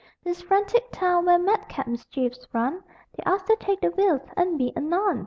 This frantic town where madcap mischiefs run They ask to take the veil, and be a nun!